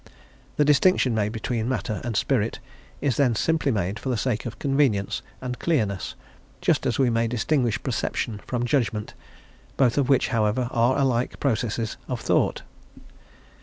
The distinction made between matter and spirit is then simply made for the sake of convenience and clearness, just as we may distinguish perception from judgment, both of which, however, are alike processes of thought.